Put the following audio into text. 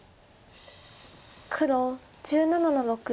黒１７の六。